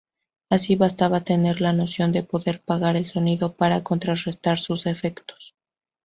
Así, bastaba tener la noción de poder apagar el sonido para contrarrestar sus efectos.